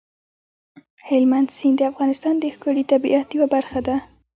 هلمند سیند د افغانستان د ښکلي طبیعت یوه برخه ده.